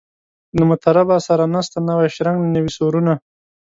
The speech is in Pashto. له مطربه سره نسته نوی شرنګ نوي سورونه